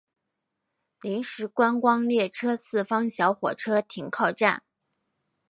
临时观光列车四万小火车停靠站。